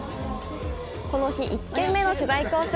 この日、１軒目の取材交渉。